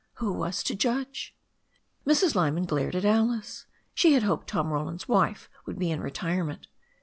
Who was to judge ? Mrs. Lyman glared at Alice. She had hoped Tom Roland's wife would be in retirement.